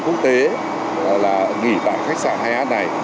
quốc tế là nghỉ tại khách sạn hay át này